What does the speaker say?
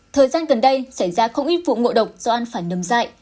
thời gian gần đây xảy ra không ít vụ ngộ độc do ăn phải nấm dại